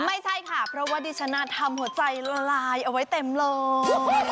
ไม่ใช่ค่ะเพราะว่าดิฉันทำหัวใจละลายเอาไว้เต็มเลย